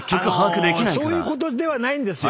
あのそういうことではないんですよ。